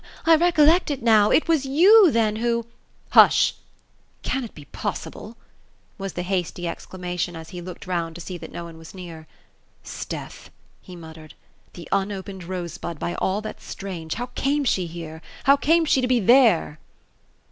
I recollect it now. It was you, then, who "" Hush ! Can it be possible ?'' was the hasty exclamation, as he looked round to see that no one was near. ^ 'Sdeath !" he muttered ;'* the unopened rosebud, by all that's strange ! Hpw came she here ? How came she to be there